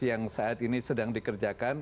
yang saat ini sedang dikerjakan